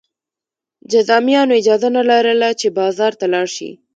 جذامیانو اجازه نه لرله چې بازار ته لاړ شي.